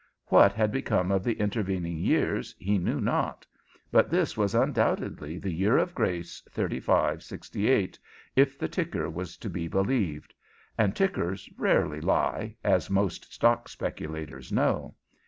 What had become of the intervening years he knew not but this was undoubtedly the year of grace 3568, if the ticker was to be believed and tickers rarely lie, as most stock speculators know.